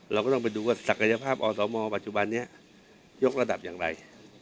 เราก็ต้องไปดูว่าศักยภาพอสมปัจจุบันนี้ยกระดับอย่างไร